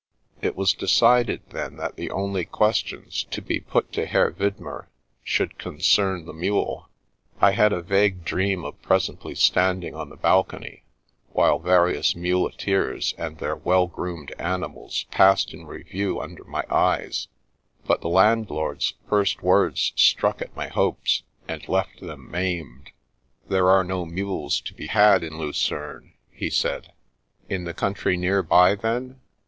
It was decided, then, that the only questions to be put to Herr Widmer should concern the mule. I had a vague dream of presently standing on the bal cony, while various muleteers and their well g^omed animals passed in review imder my eyes, but the landlord's first words struck at my hopes and left them maimed. " There are no mules to be had in Lucerne," he said. In the cotmtry near by, then